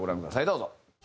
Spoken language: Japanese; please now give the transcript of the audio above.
どうぞ。